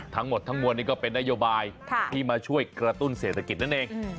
ทั้งหมดทั้งมวลนี้ก็เป็นนโยบายที่มาช่วยกระตุ้นเศรษฐกิจนั่นเอง